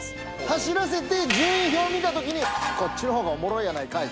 走らせて順位表を見た時に「こっちの方がおもろいやないかい」